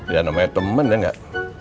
ya namanya temen ya enggak